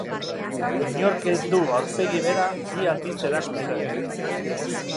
Inork ez du aurpegi bera bi aldiz erakusten.